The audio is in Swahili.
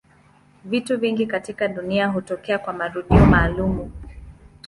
Vitu vingi katika dunia hutokea kwa marudio maalumu.